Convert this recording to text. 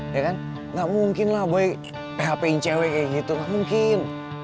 ya kan gak mungkin lah boy hpin cewek kayak gitu gak mungkin